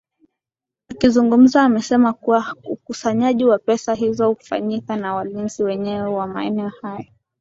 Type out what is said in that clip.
Akizungumza amesema kuwa Ukusanyaji wa pesa hizo hufanyika na walinzi wenyewe wa maeneo hayo